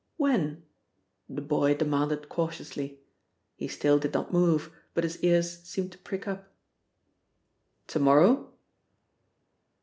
"When?" the boy demanded cautiously. He still did not move, but his ears seemed to prick up. "To morrow?"